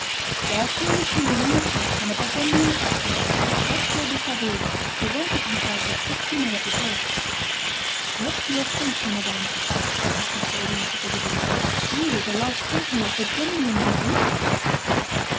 Scarcely was she within the church when a Burgundian captain, Hector de Saveuse, presented himself with sixty men at the door. "Look to your safety, madame," said her custodians to Isabel; "here is a large company of Burgundians or English."